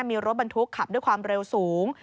มีรถบรรทุกขับด้วยความเร็วสูง